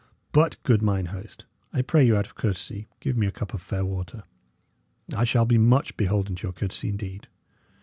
But, good mine host, I pray you of courtesy give me a cup of fair water; I shall be much beholden to your courtesy indeed."